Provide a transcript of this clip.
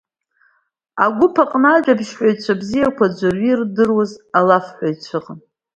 Агәыԥ аҟны ажәабжьҳәаҩцәа бзиақәа, ӡәырҩы ирдыруаз алафҳәаҩцәа…